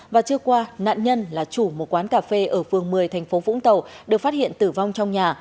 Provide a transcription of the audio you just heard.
và trưa qua nạn nhân là chủ một quán cà phê ở phường một mươi thành phố vũng tàu được phát hiện tử vong trong nhà